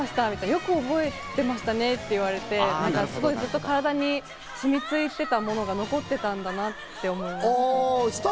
よく覚えてましたねって言われて、ずっと体に染みついてたものが残ってたんだなって思いました。